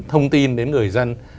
thông tin đến người dân